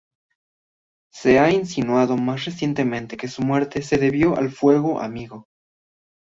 Se ha insinuado más recientemente que su muerte se debió al fuego amigo.